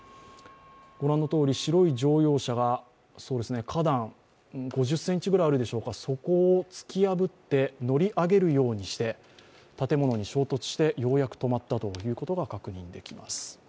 ご覧のとおり白い乗用車が花壇、５０ｃｍぐらいあるでしょうか、そこを突き破って乗り上げるようにして建物に衝突してようやく止まったということが確認できます。